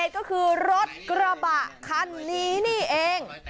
ก็คือรถกระบะคันนี้นี่เอง